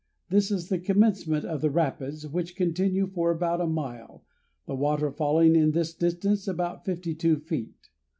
This is the commencement of the rapids, which continue for about a mile, the water falling in this distance about fifty two feet.